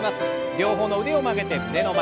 両方の腕を曲げて胸の前。